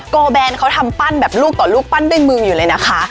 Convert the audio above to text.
แบนเขาทำปั้นแบบลูกต่อลูกปั้นด้วยมืออยู่เลยนะคะ